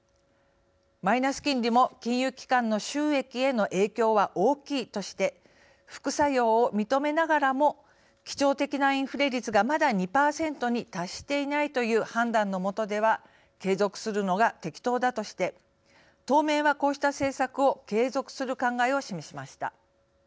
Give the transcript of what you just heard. マイナス金利も「金融機関の収益への影響は大きい」として副作用を認めながらも「基調的なインフレ率がまだ２％に達していないという判断のもとでは継続するのが適当だ」として当面はこうした政策を継続する考えを示しました。